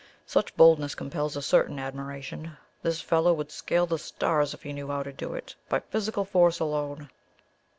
Such boldness compels a certain admiration. This fellow would scale the stars, if he knew how to do it, by physical force alone."